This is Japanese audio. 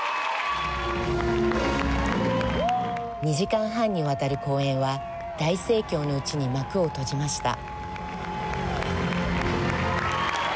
２時間半にわたる公演は大盛況のうちに幕を閉じました。